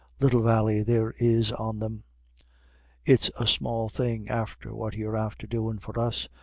"Little vally there is on them it's a small thing after what you're after doin' for us.